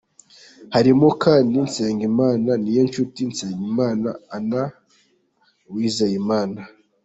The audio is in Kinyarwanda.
Harimo kandi Nsengimana, Niyonshuti, Nsengimana na Uwizeyimana.